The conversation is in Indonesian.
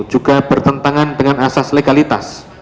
juga bertentangan dengan asas legalitas